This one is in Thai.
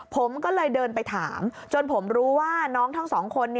ผมก็เลยเดินไปถามจนผมรู้ว่าน้องทั้งสองคน